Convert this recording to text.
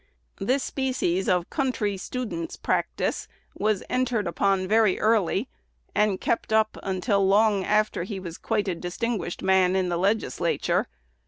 This species of country "student's" practice was entered upon very early, and kept up until long after he was quite a distinguished man in the Legislature.